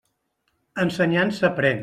Ensenyant s'aprén.